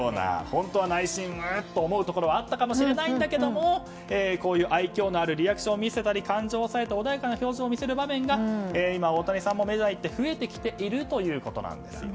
本当は内心、思うところはあったかもしれないけどこういう愛嬌のあるリアクションを見せたり感情を抑えた穏やかな表情を見せる場面が今、大谷さんもメジャーに行って増えてきているということです。